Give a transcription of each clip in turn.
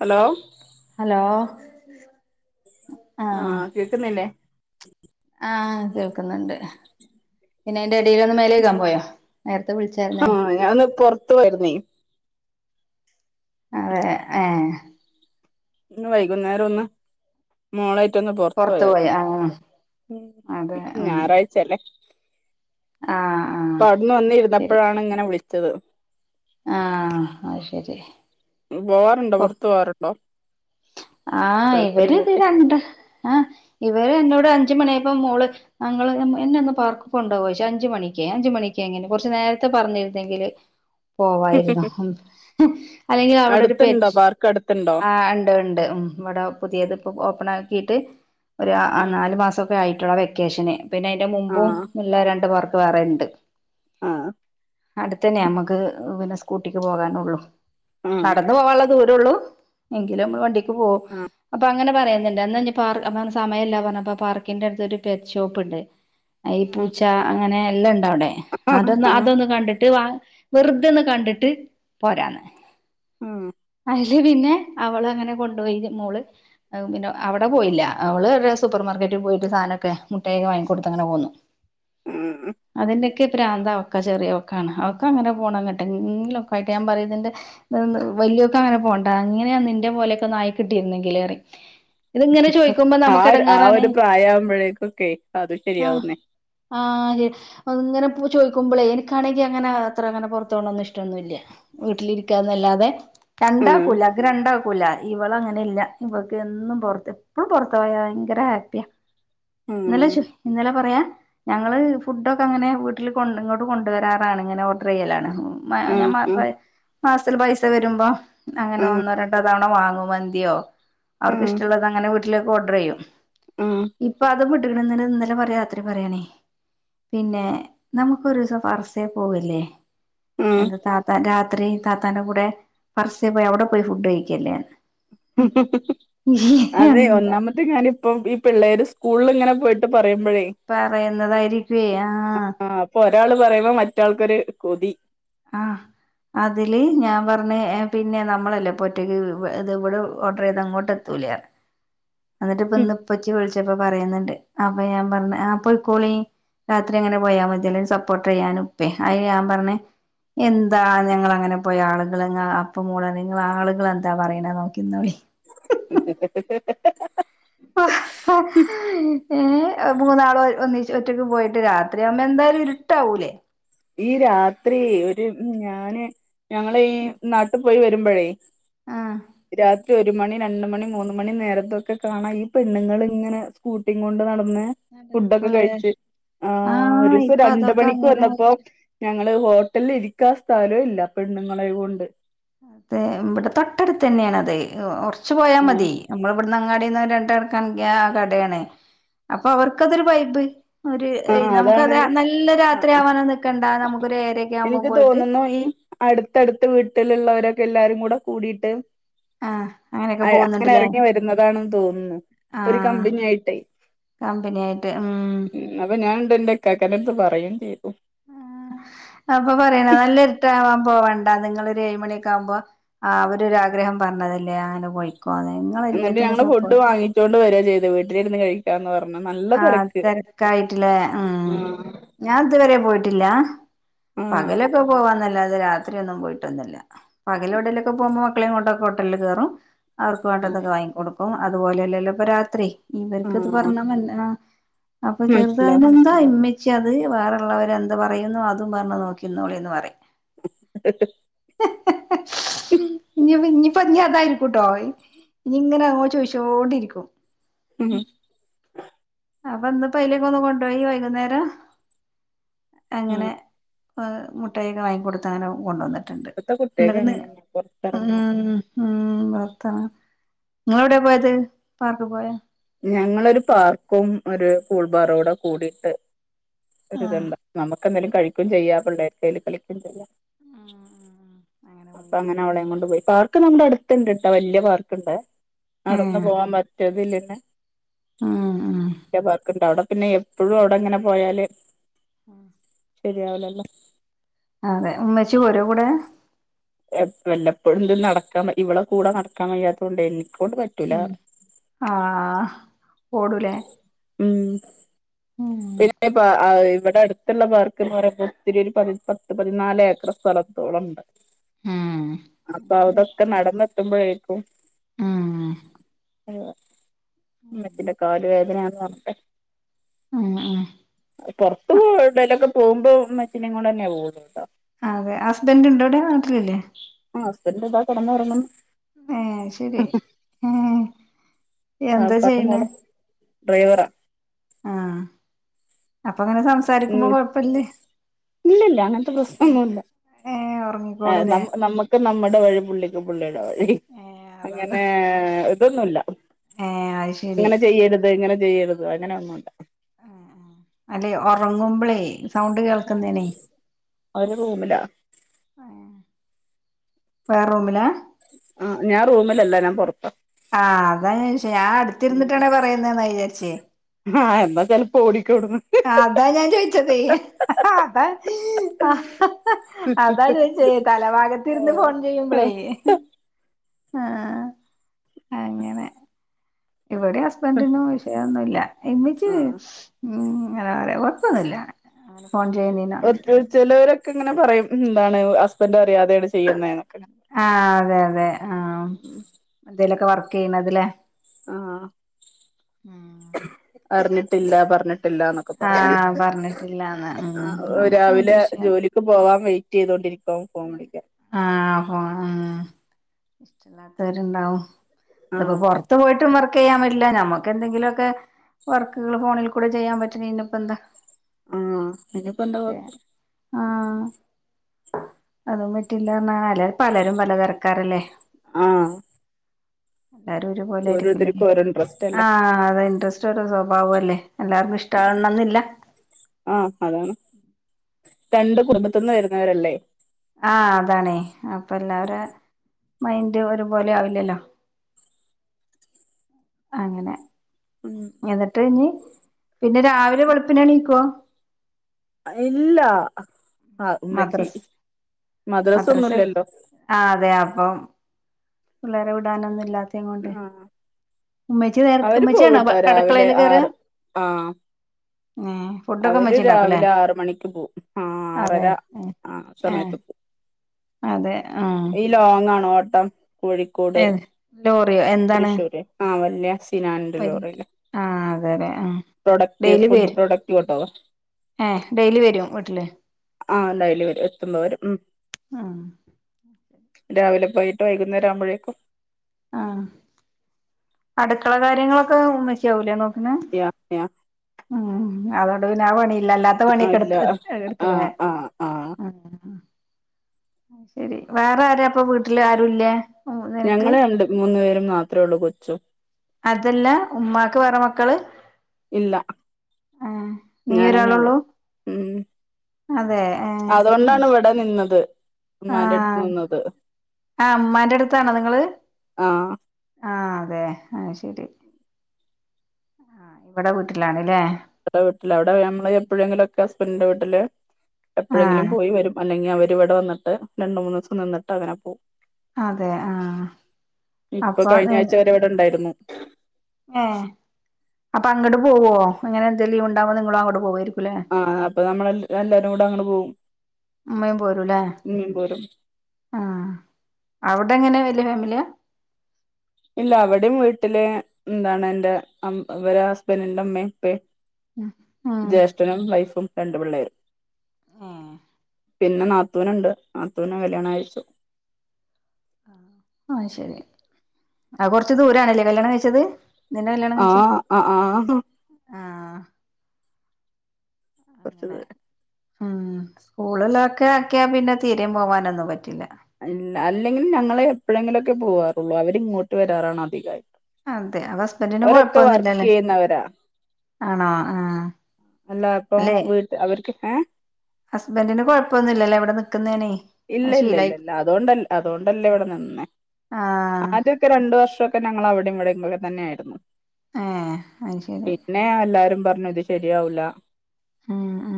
Hello? Hello. ആഹ് കേക്ക്ന്നില്ലേ. ആഹ് കേൾക്ന്ന്ണ്ട് പിന്നയിന്റടീലൊന്ന്. മേലേകാൻ പോയോ നേര്ത്തെ വിൾച്ചാര്ന്നേ. മെഞ്ഞാന്ന് കൊർ ത്തു ആയ്രിന്നെ. അതെ ഏഹ്. ഇന്ന്‌ വൈകുന്നേര ഒന്ന്. മോളെയ്റ്റൊന്ന് പൊറത്ത് പോയി പൊർത്തോയാര്ന്ന് ആഹ് അതെ ഉം ഞായറാഴ്ചല്ലേ. ആഹ് ആഹ്. ങ് അത് ശരി വന്നിരുന്നപ്പഴാണ് ങ്ങന വിളിച്ചത്. ആഹ് അയ്ശരി. മ് പോവാറുണ്ടോ പൊർത്ത് പോവറുണ്ടൊ? ആഹ് ഇവര് ത് രണ്ട് ആഹ് ഇവര് എന്നോട് അഞ്ച് മണ്യയപ്പ മോള്. അങ്ങള് എം എന്നെ ഒന്ന് പാർക്ക് ക്കൊണ്ടാവോയ്ച്ച്‌ അഞ്ച് മണിക്കെ അഞ്ചുമണിക്കെങ്ങെനെ കൊർച്ച് നേരത്തെ പറഞ്ഞിര്‌ന്നെങ്കില്. പോവായിരുന്നൊ ഉം അല്ലെങ്കി അവിടൊരു പെ അടുത്തുണ്ടോ പാർക്ക് അടുത്തുണ്ടോ ആ ണ്ട് ഉം ഇവിടെ പുതിയത് ഇപ്പം ഒപ്പൺ ആക്കിയിട്ട് ഒര് ആ നാല് മാസ പായിട്ടുള്ള വെക്കേഷന് പിന്നെ അയിന്റ മുമ്പും ആഹ് ഇള്ള രണ്ട് വർക്ക് വേറെ ഇണ്ട് ആഹ്‌ അടുത്തന്നെ നമ്മക്ക് പിന്നെ സ്കൂട്ടിക്ക് പോകാനുള്ളു ആഹ് നടന്ന് പോകാനുള്ള ദൂരള്ളൂ. ഇല്ലേ നമ്മൾ വണ്ടിക്ക് പോകും ആഹ് അപ്പോ അങ്ങനെ പറയുന്ന്ണ്ട് എന്നാ ഇനി പാർ അപ്പോ സമയല്ല പറഞ്ഞപ്പോ പാർക്കിന്റെടുത്ത് ഒരു പെറ്റ് ഷോപ്പ്ണ്ട് ഈ ആഹ് പൂച്ച അങ്ങനെ എല്ലണ്ടവ്ടെ ആഹ് അതോന്നു ആഹ് അതോന്നു കണ്ടിട്ട് വ വെറുതേന്ന് കണ്ടിട്ട് പോരാന്ന് ഉം പിന്നെ അവള് അങ്ങനെ കൊണ്ടുപോയിത് മോള് അത് പിന്ന അവ്ടെ പോയില്ല അവൾ ഇവ്ടെ സൂപ്പർമാർക്കറ്റിൽ പോയിട്ട് സാധനോക്കെ മുട്ടായി ഒക്കെ വാങ്ങി കൊടുത്ത് അങ്ങനെ പോന്ന് ഉം ഉം അതിന്റെക്കെ പ്രാന്ത് അവക്ക് ചെറിയോക്കാണ് അവക്കങ്ങന പോണന്നിട്ട് എന്തെങ്കിലു ഒക്ക ആയിട്ട് ഞാൻ പറയും ഇതിന്റെ വല്ലിയൊക്ക അങ്ങനെ പോണ്ട അങ്ങനെയാ നിന്റെ പോലെയൊക്കെ ഒന്നായി കിട്ടിരുന്നെങ്കില് പറയും ഇതിങ്ങനെ ചോദിക്കുമ്പോ ആഹ്‌ നമുക്ക് ഒര് ആഹ്‌ എടങ്ങേറാണ് ഒരു പ്രായം ആവുമ്പോഴേക്കൊക്കെയാ അത് ശരിയാവുന്നേ ആഹ്‌ അങ്ങനെ എപ്പോ ചോയിക്കുമ്പോളേ എനിക്കാണെങ്കി അങ്ങനെ അത്ര അങ്ങനെ പോറത്തോന്നോന്നും ഇഷ്ടോന്നും ഇല്ല വീട്ട്ലിരിക്കാന്നല്ലാതെ ഉം രണ്ടാക്കൂല്ല ഇക്ക് രണ്ടാ ക്കൂല്ല ഇവളങ്ങനെ എല്ല ഇവക്ക് എന്നും പോർത്ത് എപ്പളും പൊറത്ത് പോയ ഭയങ്കര ഹാപ്പിയ ഇന്നലെ ഉം ഷെഫ് ഇന്നലെ പറയാ ഞങ്ങള് ഫുടൊക്കെ അങ്ങനെ വീട്ട്ല് കൊ ഇങ്ങട്ട് കൊണ്ടുവരാറാണ്. ഇങ്ങനെ ഓർഡർയ്യലാണ്. ആഹ് ആഹ് [unintelligible] മാസ്ത്തിൽ പൈസ വരുമ്പോ അങ്ങനെ ഒന്നോ തവണ വാങ്ങു മന്ത്യോ അവർക്ക് ആഹ് ഇഷ്ട്ടള്ളത് അങ്ങനെ വീട്ടിലേെക്ക് ഓർഡർ യ്യും ഇപ്പൊ അതും വിട്ടേക്ക്ണു ഇന്നലെ പറയാ ത്ര പറയണേ പിന്നെ നമുക്കൊരു സം ഫർസേ പോവല്ലേ ആഹ് എന്താ താത്താ രാത്രി താത്താന്റെ കൂടെ പർസ്യ പോയി അവിടെ പോയി ഫുഡ് കഴിക്കല്ലേ അതെ എന്താ ഒന്നാമത്തെ കാര്യം ഇപ്പം ഈ പിള്ളേര് സ്കൂൾല് ഇങ്ങനെ പോയിട്ട് പറയുമ്പോഴേ പറയുന്നതായിരിക്ക്വേ ആഹ്‌ അപ്പോ ഒരാൾ പറയുമ്പോ മറ്റാൾക്കൊരു കൊതി ആഹ് അതില് ഞാൻ പറഞ്ഞ് ഏഹ്‌ പിന്നെ നമ്മളല്ലേ പ്പോ ഒറ്റയ്ക്ക് ഇത് ഇവ്ടെ ഓർഡർ ചെയ്ത് അങ്ങോട്ട് എത്തൂലെന്ന് അന്നിട്ട് ഇപ്പം ഇന്ന് ഉപ്പച്ചി വിളിച്ചപ്പോ പറയ്ന്ന്ണ്ട് അപ്പോ ഞാൻ പറഞ്ഞ് ആഹ്‌ പോയിക്കോളി രാത്രി അങ്ങനെ പോയാ മതി അല്ലെങ്കി സപ്പോർട്ടെയ്യാനും പ്പേ അയ്ല് ഞാൻ പറഞ്ഞ് എന്താ ഞങ്ങളങ്ങനെ പോയി ആളുകൾ ങ്ങ അപ്പ മൂളാൻ നിങ്ങ ആളുകളെന്താ പറയണ നോക്കിന്നോളി ഏ മൂന്നാള് ഒന്നിച്ച് ഒറ്റക്ക് പോയിട്ട് രാത്രി ആവുമ്പം എന്തായാലും ഇരുട്ടാവൂലേ ഈ രാത്രി ഒരു ഞാന് ഞങ്ങളീ നാട്ടിപോയി വരുമ്പോഴേ ആ രാത് റി ഒരു മണി രണ്ട് മണി മൂന്ന് മണി നേരത്തൊക്കെ കാണാം ഈ പെണ്ണുങ്ങളിങ്ങനെ സ്കൂട്ടിയും കൊണ്ട് നടന്ന് അതെ ഫുഡൊക്കെ കഴിച്ച് ആ ആഹ് ഒരൂസം ഇപ്പൊ രണ്ട് അതൊക്കെ മണിക്ക് അങ്ങനെ വന്നപ്പോ ഞങ്ങള് ഹോട്ടലിരിക്കാ സ്ഥലൊ ഇല്ല പെണ്ണുങ്ങളെ കൊണ്ട് അതെ ഇവിടെ തൊട്ടടുത്ത് തന്നെയാണ് അത് കൊറച്ച് പോയാ ആ മതി നമ്മള ഇവിടന്ന് അങ്ങാട്ട്ചെന്ന് [unintelligible] കടയാണ് അപ്പൊ അവർക്ക് അതൊരു വൈബ് ഒരു ആ നമുക്ക് അത് അതാണ് നല്ല ആ ആ രാത്രിയാവാനൊന്നു നിക്കണ്ട നമുക്കൊ ഒരു ഏഴരയൊക്കെ ആവുമ്പോ എനിക്ക് പോയിട്ട് തോന്നുന്നു ഈ അടുത്തടുത്ത് വീട്ടിലുള്ളവരൊക്കെ എല്ലാരും കൂടെ കൂടിട്ട് ആഹ് അങ്ങനെയൊക്കെ അങ്ങനെ പോകുന്നുണ്ടല്ലേ ഇറങ്ങി വരുന്നതാണെന്ന് തോന്നുന്നു ഒരു ആഹ് കമ്പനി ആയിട്ടേ കമ്പനി ആയിട്ട് ഉം ഉം അപ്പൊ ഞനെൻറെ ഇക്കാക്കൻറടുത്ത് പറയുകയും ചെയ്തു അപ്പൊ പറയണത് നല്ല ഇരുട്ടാവാൻ പോവണ്ട നിങ്ങളൊരു ഏഴ് മണിയൊക്കെ ആകുമ്പോ ആ അവരൊരാഗ്രഹം പറഞ്ഞതല്ലേ അങ്ങനെ പൊയിക്കോന്നിങ്ങനെല്ലാത്തിനും സപ്പോ ർട്ട് കൊണ്ട് വരിക ചെയ്ത് വീട്ടിൽരുന്ന് കഴി ക്കാന്ന് പറഞ്ഞ നല്ല ആ തിരക്ക് തെരക്കായിട്ടില്ലേ ഉം ആഹ് ഞാൻ ഇതുവരെ പോയിട്ടില്ല പകലൊക്കെ പോവാന്നല്ലാതെ രാത്രിയൊന്നും പോയിട്ടൊന്നുല്ല പകല് എവിടെലൊക്കെ പോകുമ്പോ മക്കളെയും കൊണ്ട് ഹോട്ടലില് കയറും അവർക്കു വേണ്ടതൊക്കെ വാങ്ങി കൊടുക്കും അപ്പ അതുപോലല്ലല്ലോ ഇപ്പോ രാത്രി ഇവർക്ക് ഇത് ആഹ് പറഞ്ഞ എന്നാ അപ്പൊ മനസ്സിലാവും ചെറുതായാലും ന്നാ ഇമ്മച്ചി അത് വേറൊള്ളവരെന്തു പറയുന്നു അതും പറഞ്ഞ് നോക്കിന്നോളിന്ന് പറയും [unintelligible] ഇനിയിപ്പൊ ഇനിയിപ്പൊ ഇനീ അതായിരിക്കൂട്ടോ ഇനി ഇങ്ങനെ അങ്ങോ ചോദിച്ചോണ്ടിരിക്കും ഉം അപ്പൊ ഇന്നിപ്പോ അയിലേക്കൊന്ന് കൊണ്ടുപോയി വൈകുന്നേരം അങ്ങനെ മുഠായിയൊക്കെ വാങ്ങി കൊടുത്ത് അങ്ങനെ കൊണ്ടന്നിട്ട്ണ്ട് ഇപ്പത്തെ ന്നട്ട് കുട്ടികൾക്ക് പിന്നെ അങ്ങനെന്നെ പുറത്തിറങ്ങണം ഉം ഉം ബൊർത്തന് നിങ്ങള്എവിടെയാ പോയത് പാർക്കി പോയോ ഞങ്ങളൊരു പാർക്കും ഒരു കൂൾബാറുംകൂടെ കൂടിട്ട് ഒരിതു ആഹ് ണ്ട് നമുക്കെന്തേലും കഴിക്കയും ചെയ്യാം പിള്ളേ ർക്കെന്തെങ്കിലും കളിക്കയും ചെയ്യാം. അപ്പൊ അങ്ങനെ അവളേയും കൊണ്ട് പോയി പാർക്ക് നമ്മുടെ അടുത്തുണ്ടെട്ടോ വല്യ പാർക്ക്ണ്ട് നടന്നു ഏഹ് പോകാൻ പറ്റത്തില്ലെന്ന് [unintelligible] ഉം ഉം എല്ലാർക്കും പാടാ പിന്നെ എപ്പഴും അവിടെ അങ്ങനെ പോയാല് ആ ശരിയാവുലല്ലോ. അതെ ഉമ്മച്ചി പോരോ കൂടെ. എപ് വല്ലപ്പോഴും ദ് നടക്കാ ഇവള കൂടെ നടക്കാവയ്യാത്തോണ്ടെ എനിക്കോണ്ട് പറ്റ ഉം ആ ഓടൂലേ ഉം ഉം പിന്നെ ഇ അ അ ഇവിടെ അടുത്തുള്ള പാർക്ക് എന്ന് പറയുമ്പോൾ ഒത്തിരി ഒരു പത്ത് പതിനാല് ഏക്കർ സ്ഥലത്തോളം ഉണ്ട് ഉം അപ്പൊ അവടെക്കെ നടന്നെത്തുമ്പോഴേക്കും ഉം അതാ ഉമ്മച്ചിൻറെ കാല് വേദനയാണ് പറഞ്ഞിട്ട് ഉം ഉം പൊർത്തു പോ എടലൊക്കെ പോവുമ്പോ മ്മച്ചിനെങ്ങാണ്ടെന്നെ [unintelligible] അതെ ഹസ്ബൻ്റ് ണ്ടടെ നാട്ടിലില്ലേ? ആ ഹസ്ബൻ്റ് താ കെടന്നൊറങ്ങന്ന്- മേ ശരി ഏഹ് എന്താ വാപ്പാന്റെ ചെയ്യണെ മോള് ഡ്രൈവറാ ആഹ് അപ്പൊ അങ്ങനെ സംസാരിക്കുമ്പോ ഉം കൊഴപ്പല്ലെ ഇല്ലല്ല ഏഹ് ഉറ ഏ നമ്മുക്ക് നമ്മുടെ വഴി പുള്ളിക്ക് പുള്ളിയുടെ വഴി ഏഹ് അതോണ്ട് അങ്ങനെ ഇതൊന്നുല്ല ഏഹ് അത് ശരി അങ്ങനെ ചെയ്യരുത് ഇങ്ങനെ ചെയ്യരുത് അങ്ങനെ ഒന്നുല്ല ആഹ് ആഹ് അല്ലെ ഒറങ്ങുമ്പ്ളേ സൗണ്ട് കേൾക്കുന്നേനേ ഒരു റൂമിലാ ആഹ് വേറ റൂമിലാ ആഹ് ഞാ റൂമിലല്ല ഞാൻ പൊറത്താ ആഹ് അതാ ഞാൻ ചോച്ചെ അടുത്തിരുന്നിട്ടാണ് പറയുന്നെന്ന് വിചാരിച്ചേ ആഹ് എന്നാ ചെലപ്പോ ഓടിക്കോട്ന്ന് ആഹ് അതാ ഞാൻ ചോയിച്ചത് ഹാ അതാ [unintelligible] അതാ ചോയിച്ചേ അതാ തല ഭാഗത്തിരുന്ന് ഫോണ് ചെയ്യുമ്പളേ ആഹ് അങ്ങനെ [inaudible] ഇവിടെ ഹസ്ബന്റിനു വിഷയോന്നുല്ല എന്നിച്ച് ആഹ് ഉം അങ്ങനെ കൊഴപ്പൊന്നില്ല ചെലവരൊക്കെ ഇങ്ങനെ പറയും എന്താണ് ഹസ്ബന്റ് അറിയാതെയാണ് ചെയ്യുന്നേന്ന് ആഹ് അതെ അതെ ആഹ് എന്തേലൊക്കെ വർക്ക് ചെയ്യണതിലേ ആഹ് ആഹ് അറിഞ്ഞിട്ടില്ല പറഞ്ഞിട്ടില്ലാന്നൊക്കെ പറയും ആഹ് പറഞ്ഞിട്ടില്ലാന്ന് ഉം നമുക്ക് അങ്ങനത്തെ രാവിലെ വിഷയം ജോലി ക്ക് പോവാൻ വെയിറ്റ് ചെയ്തൊണ്ടിരിക്കും ഫോൺ വിളിക്കാൻ ആഹ് ഹോ ആഹ് ഇഷ്ടല്ലാത്തവരുണ്ടാവും ഇതിപ്പോ ആഹ് പൊറത്ത് ഇന്ന് പോയിട്ടും വർക്കെയ്യാൻ പറ്റില്ല നമ്മക്കെന്തെങ്കിലുമൊക്കെ വർക്കുകൾ ഫോണിൽ കൂടെ ചെയ്യാൻ പറ്റണേനിപ്പെന്താ ആഹ് ഇനിയിപ്പോ എന്താ കൊഴപ്പം ആഹ് അതും പറ്റില്ലാന്നാണെന്നാല് പലരും പലതരക്കാരല്ലേ ആഹ് എല്ലാരും ഒരുപോലെ ആരിക്കൂലല്ലേ ഓരോരുത്തർക്കും ഓരോ ഇൻട്രസ്റ്റ് അല്ലേ ആഹ് അതെ ഇൻട്രസ്റ്റും ഓരോ സ്വഭാവം അല്ലേ എല്ലാർക്കും ഇഷ് ഇഷ്ടാവണെന്നില്ല ആഹ് അതാണ് രണ്ട് കുടുംബത്ത്ന്ന് വരുന്നവരല്ലേ ആഹ് അതാണേ അപ്പ എല്ലാവരേം മൈൻഡ് ഒരുപോലെ ആവില്ലല്ലോ അങ്ങനെ ഉം എന്നിട്ട് നി പിന്ന രാവിലെ വെളുപ്പിനെണീക്കുഓ ഇല്ല ആ ഉമ്മച്ചി മദ്രസ് മദ്രസ് മദ്റസൊന്നുല്ലല്ലോ ആ അതെ അപ്പം പിള്ളേരെ വിടാനൊന്നും ഇല്ലാത്തെം കൊണ്ട് ആഹാ ഉമ്മച്ചി നേരത്തെ ഉമ്മച്ചിയാണോ രാവിലെ അടുക്കളേൽ കേറാ ആറ് ആഹ് ഉം അവര് രാവിലെ ആറ് മണിക്ക് പോവും ആ ആറര അതെ ആ ഏ സമയത്ത് പോവും അതെ ആഹ് ഈ ലോങ്ങാണ് ഓട്ടം കോഴിക്കോട് ലോറിയോ എന്താണ് തൃശ്ശൂര് ആഹ് വല്ല വല് സിനാൻഡലോറില് ആ അതെല്ലെ ആ പ്രൊഡക്റ്റ് ഡെയിലി ഫുഡ് വരും പ്രൊഡക്റ്റ് കേട്ടോ ഏ ഡെയിലി വരും വീട്ടില് ആഹ് ഡൈല് വരും എത്തുമ്പോ വരും ഉം ആ രാവിലെ പോയിട്ട് വൈകുന്നേരം ആവുമ്പഴേക്കും ആ അട്ക്കള കാര്യങ്ങളൊക്കെ ഉമ്മച്ചി ആഉലേ ന്നോക്ക്ന്നെ [unintelligible] ആ അതോണ്ട് പിന്നെ ആ പണിയില്ലല്ലെ ത്ത ആ പണിയൊക്കെ ഇല്ല എട് എട്ക്ക് ആ ലേ ആ ആ ശെരി വേറ ആരാ പ്പം വീട്ട്ല് ആരുല്ല്യാ ഞങ്ങള് രണ്ട് മൂന്ന് പേരും മാത്രേ ഒള്ളൂ കൊച്ചും അതല്ല ഉമ്മാക്ക് വേറ മക്കള് ഇല്ല ആഹ് നീ ഞാനെന്നെ ഒള്ളു ഒരാളൊള്ളൂ മ് അതെ ഏഹ് അതോണ്ടാണ് വടെ നിന്നത് ഉമ്മാന്റെ എട്ത്ത് ന്ന്ന്നത് ആ മ്മാന്റെ എട്ത്താണോ നിങ്ങള് ആ ആ അതെ അഹ് ശെരി ബട വീട്ട്ലാണ്ലേ ബടെ വീട്ട്ലാ അവ്ട നമ്മള് എപ്പഴെങ്കിലൊക്കെ ഹസ്ബൻന്റിൻ്റെ വീട്ട്ല് എപ്പഴെങ്കിലും ആഹ് പോയി വരും അല്ലെങ്കി അവര് വടെ വന്ന്ട്ട് രണ്ട് മൂന്നൂസം ന്ന്ന്ന്ട്ട് അങ്ങനെ പോഉം അതെ ആ അപ്പൊ നീ [unintelligible] ന്ന്ണ്ടായ്രുന്നു ഏ അപം അങ്ങട്ട് പോഉഓ അങ്ങനെ എന്തേ ലീവ് ഉണ്ടാഉമ്പം നിങ്ങളും അങ്ങോട്ട് പോവായ്ര്ക് ആ അപം ന്നമ്മള് എല്ല് എല്ലാരും കൂട അങ്ങട്ട് പോഉം ഇമ്മിം പോരും ആ ഔടെ ങ്ങനെ വെല്ല്യ ഫേമിലിആ? ഇല്ല അവിടിം വീട്ടില് എന്താണ് എൻ്റെ അം വരെ ഹസ്ബൻ്റിന്റെ ഇമ്മേം ഇപ്പേം ഉം ഉം ജ്യേഷ്ഠനും വൈഫും രണ്ട് പിള്ളേരും ഏഹ് പിന്നെ ന്നാത്തൂന്ണ്ട് ന്നാത്തൂനെ കല്ല്യാണം കഴ്ച്ചു അഹ് ശെരി അത് കൊർച്ച് ദൂരാണ്ലേ കല്ല്യാണം കഴ്ച്ചത് ആ അ ആ ഹ് ആഹ് കൊർച്ച് അങ്ങനെ ദൂരെ ഉം സ്കൂളിലൊക്കെ ആക്കിആ പിന്നെ തീരിം പോവാനൊന്നും പറ്റില്ല ഇല്ല അല്ലെങ്കിലും ഞങ്ങള് എപ്പ്ഴെങ്കിലൊക്കെ പോവാറൊള്ളൂ അവരിങ്ങോട്ട് വരാറാണ് അധികായിട്ട് അതെ അപം ഹസ്ബൻ്റിന് കൊഴപ്പൊന്നുല്ല ലേ ചെയ്യുന്നവരാ ആണോ ആ അല്ല അപം വീട്ട് അവര്ക്ക് ഏ ഹസ്ബൻ്റിന് കൊഴപ്പന്നുല്ലലേ ഇവട ന്ന്ക്ക്ന്നേന് ഇല്ല ല്ല ല്ല ല്ല അതോണ്ടെൽ അതോണ്ടെല്ലേ ഇവട ന്ന്ന്നേ ആഹ് ആദിക് ക്ക രണ്ടു വർഷൊക്കെ ഞങ്ങള് അവിടെം ഇവിടെം ക്കെ തന്നെയായിര്ന്നു ആ അഹ് ശെരി പിന്നെ എല്ലാരും പർഞ്ഞു ഇത് ശെരി ആഊല ആ ആ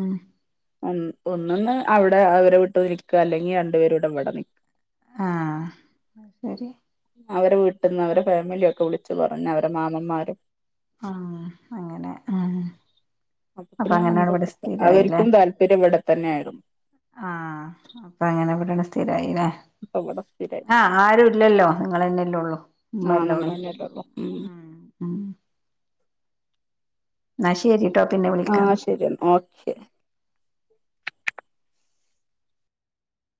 ഒന്ന്ന്ന് അവ്ടെ അവരെ വീട്ട് നിക്ക്അ അല്ലെങ്കി രണ്ടു പേരുടെ ഇവട ന്ന്ക്ക് ആ ശെരി അവരെ വീട്ട്ന്ന് അവരെ ഫേമിലിഒക്കെ വിളിച്ച് പറഞ് അവരെ മാമന്മാരും ആഹ് അങ്ങനെ ഉം അപ്പൊ അങ്ങനെയാണ് ഇവിടെ സ്ഥിരായില്ലേ അവര്ക്കും താൽ ത്തിരു വ്ടെ തന്നെ ആയിര്ന്നു ആ അപം അങ്ങനെ വ്ടാണ്ട് സ്ഥിരായിലേ അപ്പൊ ഇവിടെ സ്ഥിരായി ആ ആരും ഇല്ലല്ലോ നിങ്ങളെനെല്ലേ ഒള്ളൂ ഇമ്മല്ലേ ഒള്ളു മ് ന്നാ ശെരി ട്ടോ പിന്നെ ആ വിളിക്കാ ശരി എന്നാ ഓക്കെ